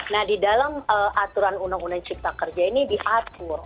nah di dalam aturan undang undang cipta kerja ini diatur